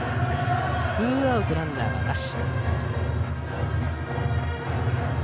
ツーアウトランナーなし。